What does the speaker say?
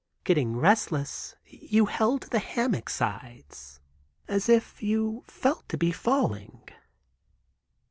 "Getting restless you held to the hammock sides, as if you felt to be falling.